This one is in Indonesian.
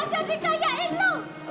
gigi aja dikanyain lu